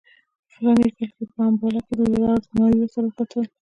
په فلاني کال کې یې په امباله کې له لارډ مایو سره وکتل.